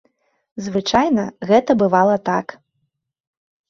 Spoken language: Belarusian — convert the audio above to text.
Звычайна гэта бывала так.